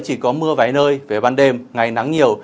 chỉ có mưa vài nơi về ban đêm ngày nắng nhiều